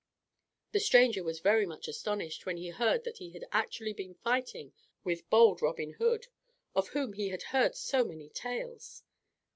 The stranger was very much astonished when he heard that he had actually been fighting with bold Robin Hood, of whom he had heard so many tales.